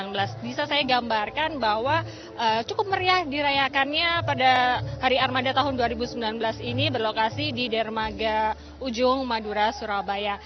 bisa saya gambarkan bahwa cukup meriah dirayakannya pada hari armada tahun dua ribu sembilan belas ini berlokasi di dermaga ujung madura surabaya